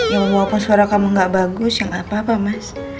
ya walaupun suara kamu enggak bagus enggak apa apa mas